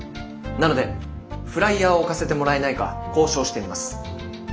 なのでフライヤーを置かせてもらえないか交渉してみます。